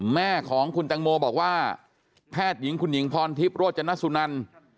แม่ของคุณตังโมบอกว่าแพทย์หญิงคุณหญิงพรทิพย์โรจนสุนัน